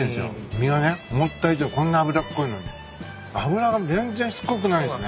身がね思った以上こんな脂っこいのに脂が全然しつこくないですね。